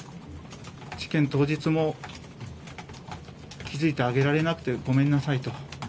事件当日も気付いてあげられなくてごめんなさいと。